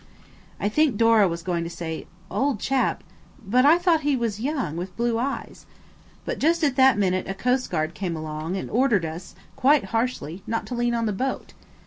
I think Dora was going to say, "Old chap–but I thought he was young with blue eyes?" but just at that minute a coastguard came along and ordered us quite harshly not to lean on the boat.